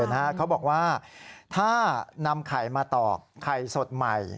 เป็นไข่สดเพราะว่าถ้านำไข่มาตอกไข่สดใหม่